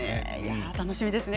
楽しみですね